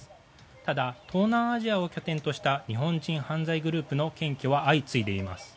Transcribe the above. ただ、東南アジアを拠点とした日本人犯罪グループの検挙は相次いでいます。